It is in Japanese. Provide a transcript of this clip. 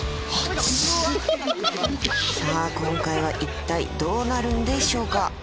さぁこれから一体どうなるんでしょうか？